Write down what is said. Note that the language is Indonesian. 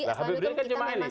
nah habib rizik kan cuma elit